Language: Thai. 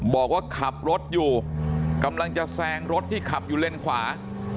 บอกว่าขับรถอยู่กำลังจะแซงรถที่ขับอยู่เลนขวา